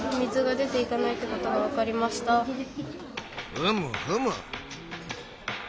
ふむふむ。